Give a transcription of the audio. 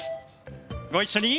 ご一緒に。